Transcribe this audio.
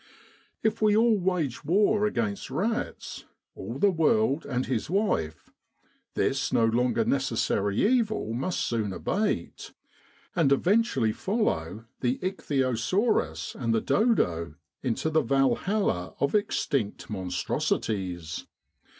If we all wage war against rats all the World and his Wife this no longer necessary evil must soon abate, and eventually follow the icthyosaurus and the dodo into the Valhalla of extinct monstrosities.